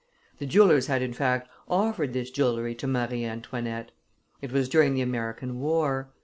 The jewellers had, in fact, offered this jewelry to Marie Antoinette; it was during the American war.